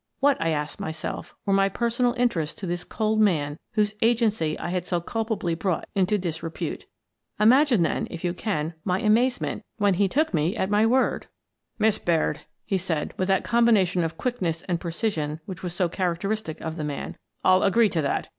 What, I asked my self, were my personal interests to this cold man whose agency I had so culpably brought into dis repute? Imagine, then, — if you can, — my amazement when he took me at my wordl " Miss Baird," he said, with that combination of quickness and precision which was so characteristic of the man, " I'll agree to that.